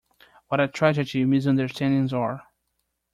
What a tragedy misunderstandings are.